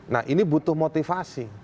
nah ini butuh motivasi